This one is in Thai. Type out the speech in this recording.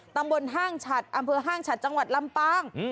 ตำบลห้างฉัดอำเภอห้างฉัดจังหวัดลำปาง